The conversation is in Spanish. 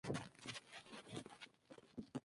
Está englobada en el Bajo Aragón Histórico.